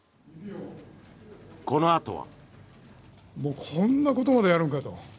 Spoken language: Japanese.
このあとは。